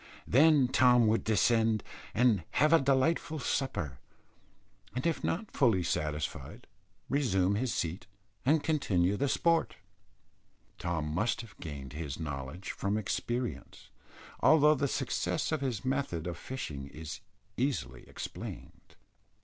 Then Tom would descend, and have a delightful supper, and if not fully satisfied resume his seat and continue the sport. Tom must have gained his knowledge from experience, although the success of his method of fishing is easily explained.